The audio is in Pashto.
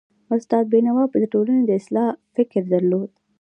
استاد بینوا د ټولني د اصلاح فکر درلود.